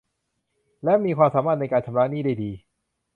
และมีความสามารถในการชำระหนี้ได้ดี